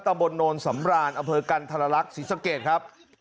ตะบดโนนสำราญอเผยกันธรรลักษณ์สิทธิ์สังเกตครับ